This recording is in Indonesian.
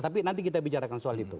tapi nanti kita bicarakan soal itu